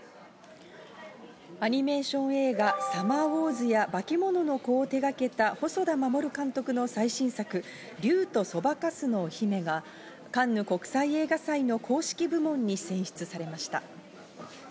アニメーション映画『サマーウォーズ』や『バケモノの子』を手がけた細田守監督の最新作『竜とそばかすの姫』がカンヌ国際映画祭の公式部門に選出されました。